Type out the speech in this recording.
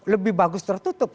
lebih bagus tertutup